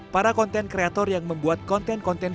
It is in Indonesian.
para konten kreator yang membuat konten konten